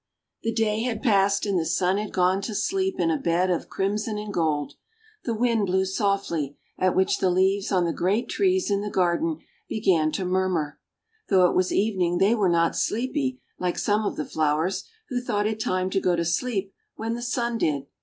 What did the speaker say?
The day had passed and the sun had gone to sleep in a bed of crimson and gold. The wind blew softly, at which the leaves on the great trees in the garden began to murmur; though it was evening they were not sleepy like some of the flowers who thought it time to go to sleep when the sun did.